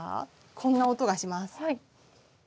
こんな音がします。